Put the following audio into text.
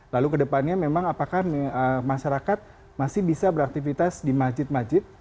lalu kedepannya memang apakah masyarakat masih bisa beraktivitas di masjid masjid